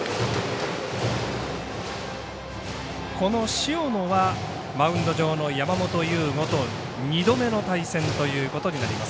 塩野は、マウンド上の山本由吾と２度目の対戦ということになります。